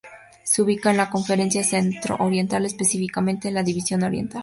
Se ubica en la Conferencia Centro Oriental específicamente en la división "Oriental".